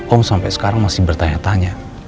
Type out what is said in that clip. om sampai sekarang masih bertanya tanya